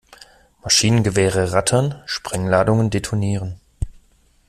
Maschinengewehre rattern, Sprengladungen detonieren.